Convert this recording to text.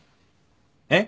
えっ？